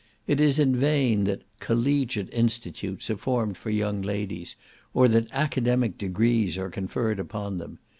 It is in vain that "collegiate institutes" are formed for young ladies, or that "academic degrees" are conferred upon them.